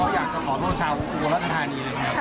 อยากจะขอโทษชาวอุบลรัชธานีเลยครับ